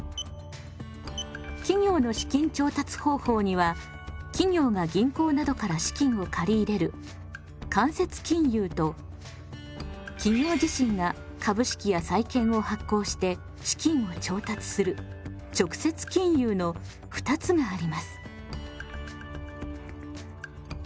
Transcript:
企業の資金調達方法には企業が銀行などから資金を借り入れる間接金融と企業自身が株式や債券を発行して資金を調達する直接金融の２つがあります。